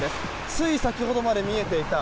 つい先ほどまで見えていた